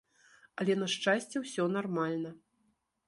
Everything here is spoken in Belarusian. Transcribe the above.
Але, на шчасце, усё нармальна.